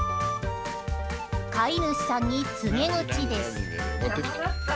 飼い主さんに告げ口です。